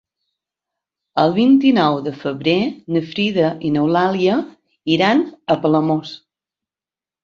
El vint-i-nou de febrer na Frida i n'Eulàlia iran a Palamós.